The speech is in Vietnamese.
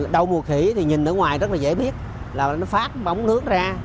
đau mùa khỉ thì nhìn ở ngoài rất là dễ biết là nó phát bóng nước ra